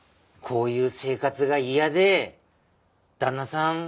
こういう生活が嫌で旦那さん